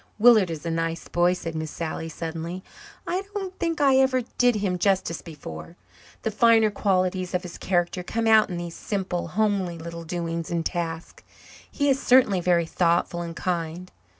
"Willard is a nice boy," said Miss Sally suddenly. "I don't think I ever did him justice before. The finer qualities of his character come out in these simple, homely little doings and tasks. He is certainly very thoughtful and kind.